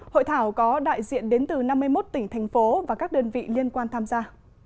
hội thảo có đại diện đến từ năm mươi một tỉnh thành phố và các đơn vị liên quan tham gia